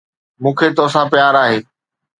مون کي توسان پيار آھي.